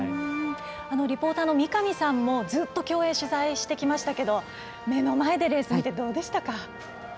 リポーターの三上さんもずっと競泳取材してきましたが目の前でレースを見てどうでしたか？